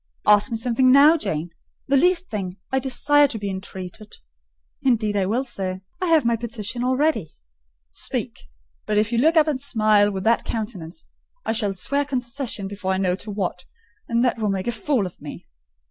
"Ask me something now, Janet,—the least thing: I desire to be entreated—" "Indeed I will, sir; I have my petition all ready." "Speak! But if you look up and smile with that countenance, I shall swear concession before I know to what, and that will make a fool of me."